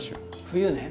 冬ね。